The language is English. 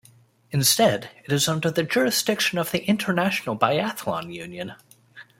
Instead, it is under the jurisdiction of the International Biathlon Union.